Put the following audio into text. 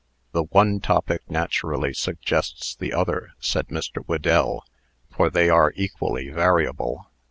"The one topic natually suggests the other," said Mr. Whedell, "for they are equally variable."